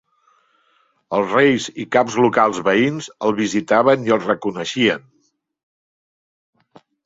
Els reis i caps locals veïns el visitaven i el reconeixien.